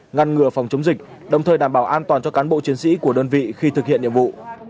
ngăn ngừa phòng chống dịch đồng thời đảm bảo an toàn cho cán bộ chiến sĩ của đơn vị khi thực hiện nhiệm vụ